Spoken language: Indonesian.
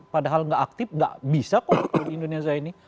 padahal enggak aktif enggak bisa kok di indonesia ini